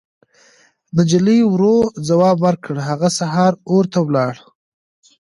نجلۍ ورو ځواب ورکړ: هغه سهار اور ته ولاړه.